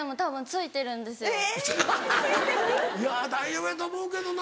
いや大丈夫やと思うけどな。